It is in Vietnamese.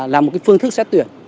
làm một phương thức xếp tuyển